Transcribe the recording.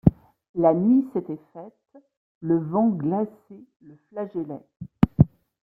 La nuit s’était faite, le vent glacé le flagellait.